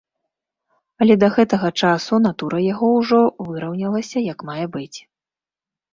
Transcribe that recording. Але да гэтага часу натура яго ўжо выраўнялася як мае быць.